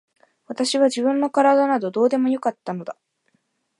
私は自分の体などどうでもよかったのだ。